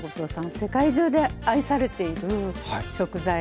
世界中で愛されているはい。